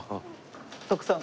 徳さん